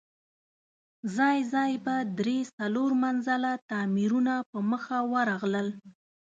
ځای ځای به درې، څلور منزله تاميرونه په مخه ورغلل.